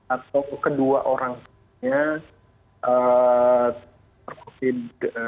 atau kedua orangnya ter covid sembilan belas